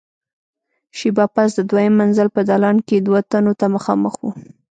شېبه پس د دويم منزل په دالان کې دوو تنو ته مخامخ وو.